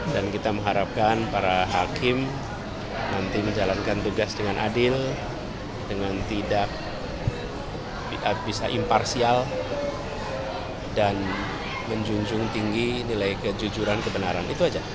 dan kita mengharapkan para hakim nanti menjalankan tugas dengan adil dengan tidak bisa imparsial dan menjunjung tinggi nilai kejujuran kebenaran itu saja